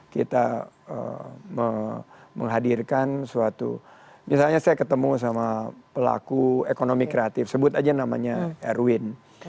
kita menghadirkan suatu misalnya saya ketemu sama pelaku ekonomi kreatif sebut aja namanya erwin